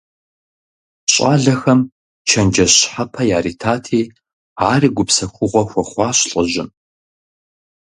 ЩӀалэхэм чэнджэщ щхьэпэ яритати, ари гупсэхугъуэ хуэхъуащ лӀыжьым.